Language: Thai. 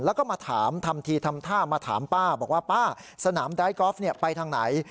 แล้วก็มาถามทำทีทำท่ามาถามป้าบอกว่าป้าสนามไดกอล์ฟไปทางไหน